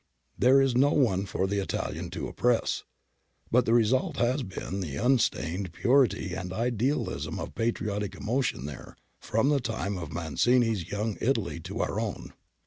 There is no one for the Italian to oppress. But the result has been the unstained purity and idealism of patriotic emotion there, from the time of Mazzini's Young Italy to our own.